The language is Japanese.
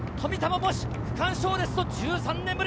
区間賞ですと１３年ぶり！